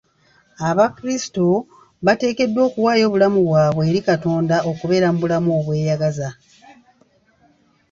Abakrisito bateekeddwa okuwaayo obulamu bwabwe eri Katonda okubeera mu bulamu obweyagaza.